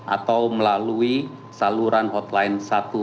atau melalui saluran hotline